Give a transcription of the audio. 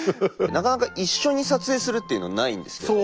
なかなか一緒に撮影するっていうのないんですけど。